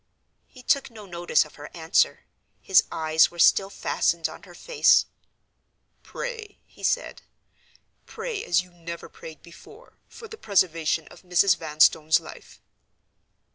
He took no notice of her answer; his eyes were still fastened on her face. "Pray!" he said. "Pray as you never prayed before, for the preservation of Mrs. Vanstone's life."